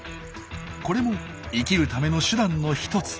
これも生きるための手段の一つ。